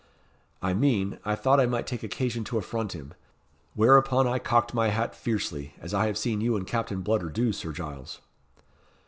"I mean, I thought I might take occasion to affront him. Whereupon I cocked my hat fiercely, as I have seen you and Captain Bludder do, Sir Giles."